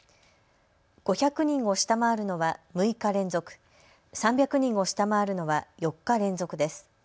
５００人を下回るのは６日連続、３００人を下回るのは４日連続です。